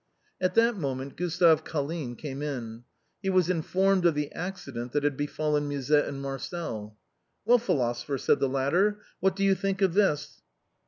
At that moment Gustave Colline came in. He was in formed of the accident that had befallen Musette and Marcel. " Well, philosopher," said the latter, " what do you think of this?"